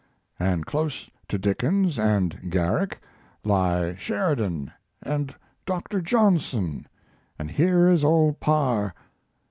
And close to Dickens and Garrick lie Sheridan and Dr. Johnson and here is old Parr....